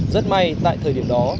rất may tại thời điểm đó